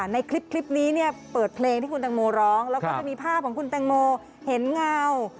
ในคลิปนี้เนี่ยเปิดเพลงที่คุณตังโมร้องแล้วก็จะมีภาพของคุณแตงโมเห็นเงา